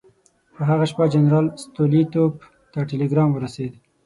په هغه شپه جنرال ستولیتوف ته ټلګرام ورسېد.